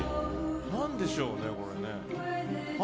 何でしょうね、これ。